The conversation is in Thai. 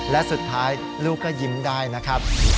และสุดท้ายลูกก็ยิ้มได้นะครับ